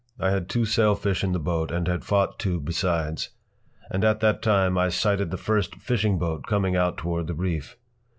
I had two sailfish in the boat and had fought two besides. And at that time I sighted the first fishing boat coming out toward the reef.